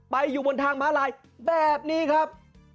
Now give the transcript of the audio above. อยู่บนทางม้าลายแบบนี้ครับ